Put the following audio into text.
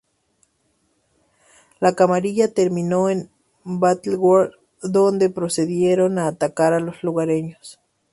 La Camarilla terminó en Battleworld donde procedieron a atacar a los lugareños.